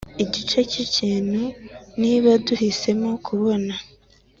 igice c'ikintu niba duhisemo kubona